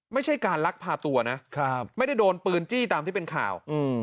ไม่ใช่การลักพาตัวนะไม่ได้โดนปืนจี้ตามที่เป็นข่าว